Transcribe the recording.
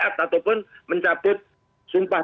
ataupun mencabut sumpah